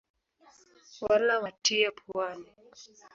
Wala watiya puani?